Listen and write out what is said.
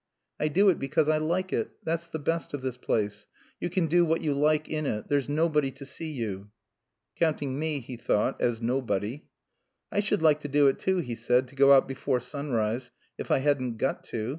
"I do it because I like it. That's the best of this place. You can do what you like in it. There's nobody to see you." ("Counting me," he thought, "as nobody.") "I should like to do it, too," he said "to go out before sunrise if I hadn't got to.